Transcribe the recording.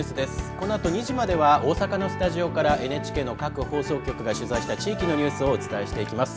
このあと２時までは大阪のスタジオからＮＨＫの各放送局が取材した地域のニュースをお伝えします。